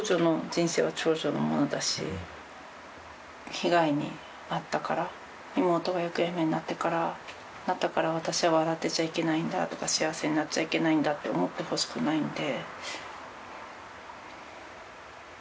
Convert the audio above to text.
被害に遭ったから妹が行方不明になったから私は笑ってちゃいけないんだとか幸せになっちゃいけないんだって思ってほしくないんで。